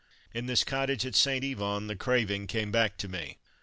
In this cottage at St. Yvon the craving came back to me.